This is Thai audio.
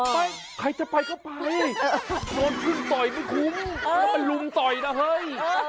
ไปใครจะไปก็ไปโดนพึ่งต่อยไม่คุ้มแล้วมันลุมต่อยนะเฮ้ย